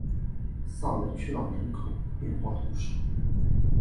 萨勒屈朗人口变化图示